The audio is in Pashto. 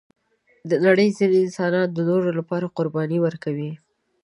د نړۍ ځینې انسانان د نورو لپاره قرباني ورکوي.